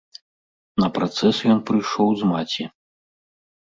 На працэс ён прыйшоў з маці.